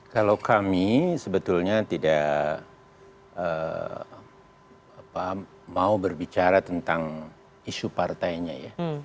kalau kami sebetulnya tidak mau berbicara tentang isu partainya ya